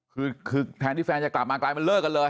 คือแทนที่แฟนจะกลับมากลายมันเลิกกันเลย